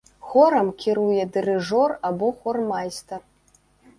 Хорам кіруе дырыжор або хормайстар.